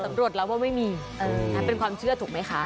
ตำรวจแล้วว่าไม่มีเป็นความเชื่อถูกไหมคะ